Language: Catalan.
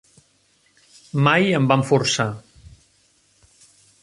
Mai em van forçar.